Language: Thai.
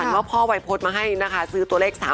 ฝันว่าพ่อวัยพฤษมาให้ซื้อตัวเลข๓ตัวค่ะ